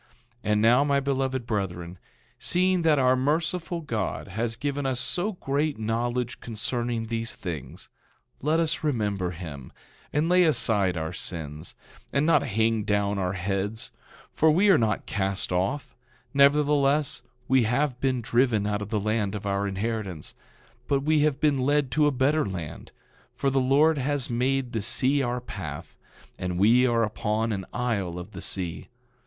10:20 And now, my beloved brethren, seeing that our merciful God has given us so great knowledge concerning these things, let us remember him, and lay aside our sins, and not hang down our heads, for we are not cast off; nevertheless, we have been driven out of the land of our inheritance; but we have been led to a better land, for the Lord has made the sea our path, and we are upon an isle of the sea.